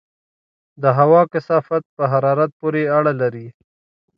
د هوا کثافت په حرارت پورې اړه لري.